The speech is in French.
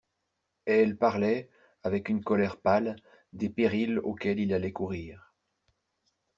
Et elle parlait, avec une colère pâle, des périls auxquels il allait courir.